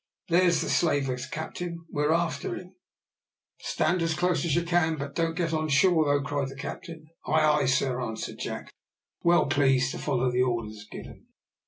"There's the slaver's captain we're after him." "Stand in as close as you can, but don't get on shore, though," cried the captain. "Ay, ay, sir," answered Jack, well pleased to follow the orders given.